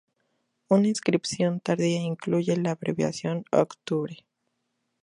Una inscripción tardía incluye la abreviación Oct.